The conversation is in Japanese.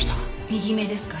右目ですか？